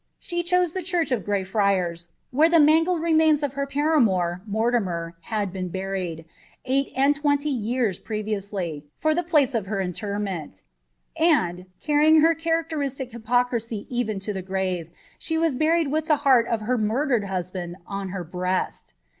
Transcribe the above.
She chose the church of the Grey Friars, where the man gled remains of her paramour Mortimer had been buried, eight and tu'enty years previously, for the place of her interment ; and, carrying her cliarecteristic hypocrisy even to the grave, she was buried with the heart of her murdered husband on her breast.